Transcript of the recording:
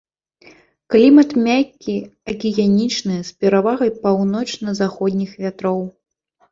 Клімат мяккі акіянічны з перавагай паўночна-заходніх вятроў.